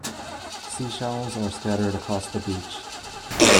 Sea shells are scattered across the beach.